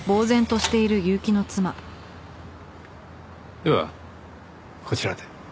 ではこちらで。